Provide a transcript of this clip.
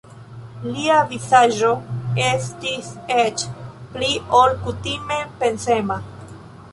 Lia vizaĝo estis eĉ pli ol kutime pensema.